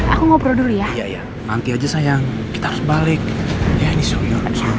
aku udah lama gak makan es krim